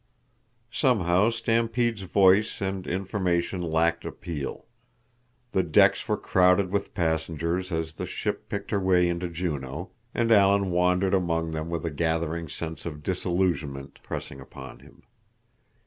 Somehow Stampede's voice and information lacked appeal. The decks were crowded with passengers as the ship picked her way into Juneau, and Alan wandered among them with a gathering sense of disillusionment pressing upon him.